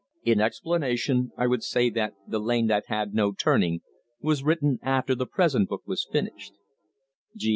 In explanation I would say that 'The Lane that Had no Turning' was written after the present book was finished.